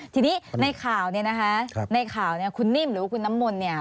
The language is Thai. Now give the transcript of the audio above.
ทีนี้ในข่าวนี่นะคะคุณนิ่มหรือน้ำมนต์เนี่ย